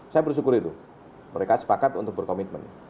saya bersyukur itu mereka sepakat untuk berkomitmen